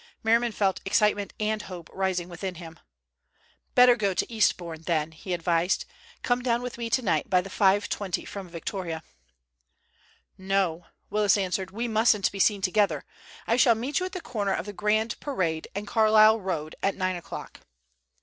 Merriman felt excitement and hope rising within him. "Better go to Eastbourne then," he advised. "Come down with me tonight by the 5.20 from Victoria." "No," Willis answered, "we mustn't be seen together. I shall meet you at the corner of the Grand Parade and Carlisle Road at nine o'clock."